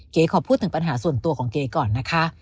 ขอพูดถึงปัญหาส่วนตัวของเก๋ก่อนนะคะ